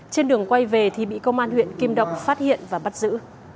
trên đường quay về thì bị công an huyện kim động phát hiện và bắt giữ